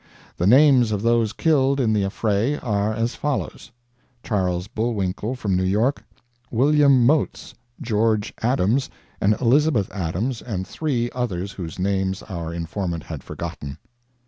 The names of those killed in the affray are as follows: Charles Bulwinkle, from New York; William Moats, Geo. Adams and Elizabeth Adams, and three others whose names our informant had forgotten.